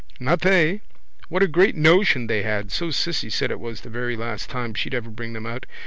Not they! What a great notion they had! So Cissy said it was the very last time she'd ever bring them out.